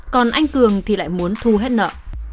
còn anh cường thì lại muốn thu hết nợ